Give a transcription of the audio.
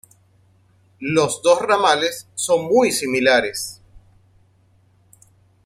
Los dos ramales son muy similares.